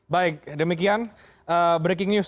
baik demikian breaking news